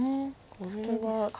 ツケですか。